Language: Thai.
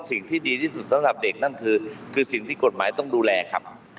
สิ่งที่ดีที่สุดสำหรับเด็กนั่นคือสิ่งที่กฎหมายต้องดูแลครับ